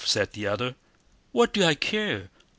said the other. "What do I care?